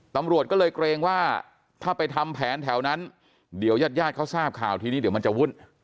ตำรวจก็เลยเกรงว่าถ้าไปทำแผนแถวนั้นเดี๋ยวญาติญาติเขาทราบข่าวทีนี้เดี๋ยวมันจะวุ่น